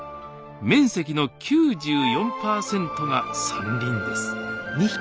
面積の９４％が山林です